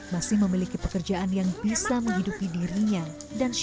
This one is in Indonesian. masih memiliki pekerjaan yang bisa menghidupi dirinya dan sehat